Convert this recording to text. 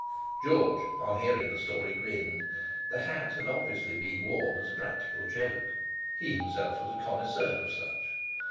George, on hearing the story, grinned. The hat had obviously been worn as a practical joke! He himself was a connoisseur of such.